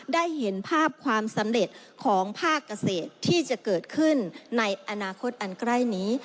ได้เห็นภาพความสำเร็จของภาคเกษตรที่จะเกิดขึ้นในอนาคตอันใกล้นี้